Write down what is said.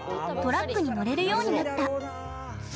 トラックに乗れるようになった。